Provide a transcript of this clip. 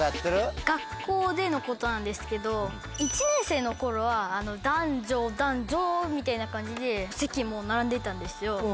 学校でのことなんですけど１年生の頃は男女男女みたいな感じで席も並んでたんですよ。